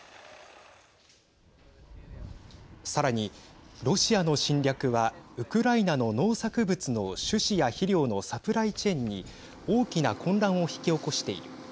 さらに、ロシアの侵略はウクライナの農作物の種子や肥料のサプライチェーンに大きな混乱を引き起こしている。